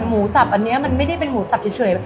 หมูสับอันนี้มันไม่ได้เป็นหมูสับเฉย